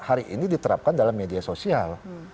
hari ini diterapkan dalam media sosial